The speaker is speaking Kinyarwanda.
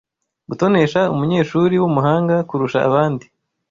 Gutonesha umunyeshuri w’umuhanga kurusha abandi